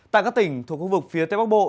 tại các tỉnh thuộc khu vực phía tây bắc bộ